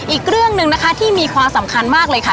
อีกเรื่องหนึ่งนะคะที่มีความสำคัญมากเลยค่ะ